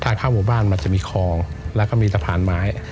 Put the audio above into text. ทางแผ่งบ้านมันจะมีคลองและก็มีตะพานไม้